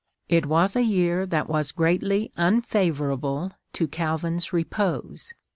It was a year that was greatly " un favourable to Calvin's repose.